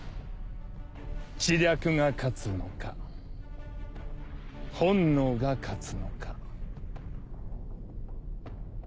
知略が勝つのか本能が勝つのか。